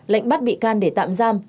lệnh bắt bị can để tạm giam